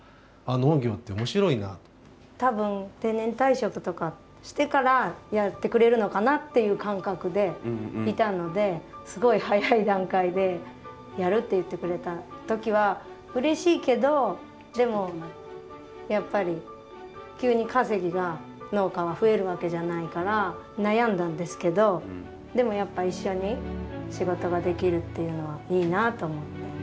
多分定年退職とかしてからやってくれるのかなっていう感覚でいたのですごい早い段階でやるって言ってくれた時はうれしいけどでもやっぱり急に稼ぎが農家は増えるわけじゃないから悩んだんですけどでもやっぱ一緒に仕事ができるっていうのはいいなと思って。